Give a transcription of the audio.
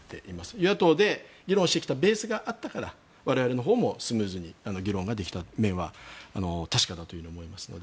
与野党で議論してきたベースがあったから我々のほうもスムーズに議論ができた面は確かだと思いますので。